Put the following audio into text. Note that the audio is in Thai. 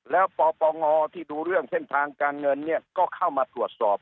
แล้วปปงที่ดูเรื่องเส้นทางการเงินเนี่ยก็เข้ามาตรวจสอบ